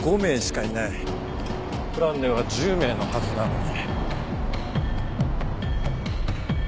プランでは１０名のはずなのに。